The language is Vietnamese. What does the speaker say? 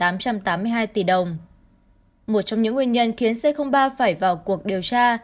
một trong những nguyên nhân khiến c ba phải vào cuộc điều tra